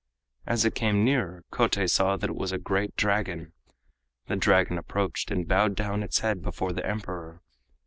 As it came nearer Kotei saw that it was a great Dragon. The Dragon approached and bowed down its head before the Emperor.